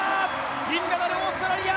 銀メダル、オーストラリア。